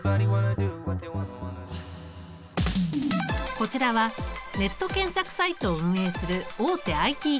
こちらはネット検索サイトを運営する大手ＩＴ企業。